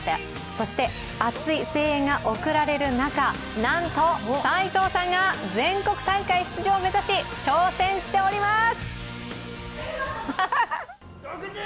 そして熱い声援が送られる中、なんと、齋藤さんが全国大会出場を目指し、挑戦しております。